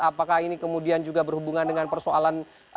apakah ini kemudian juga berhubungan dengan persoalan